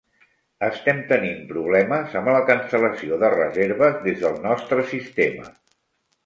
Estem tenint problemes amb la cancel·lació de reserves des del nostre sistema.